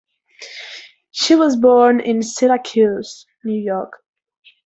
She was born in Syracuse, New York.